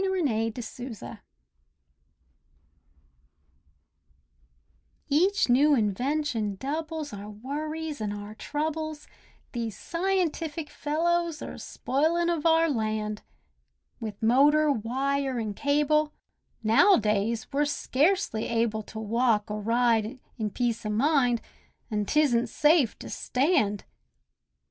WAIL OF AN OLD TIMER Each new invention doubles our worries an' our troubles, These scientific fellows are spoilin' of our land; With motor, wire, an' cable, now' days we're scarcely able To walk or ride in peace o' mind, an' 'tisn't safe to stand.